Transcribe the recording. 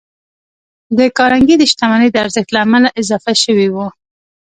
د کارنګي د شتمنۍ د ارزښت له امله اضافه شوي وو.